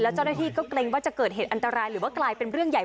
เจ้าหน้าที่ก็เกรงว่าจะเกิดเหตุอันตรายหรือว่ากลายเป็นเรื่องใหญ่